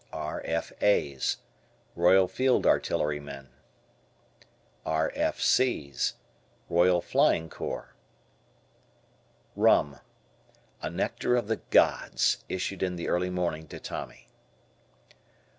R.F.A.'s. Royal Field Artillery men. R.F.C.'s. Royal Plying Corps. Rum. A nectar of the gods issued in the early morning to Tommy.